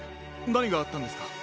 なにがあったんですか？